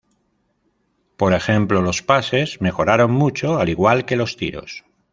Por ejemplo los pases mejoraron mucho, al igual que los tiros.